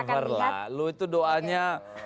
never lah lu itu doanya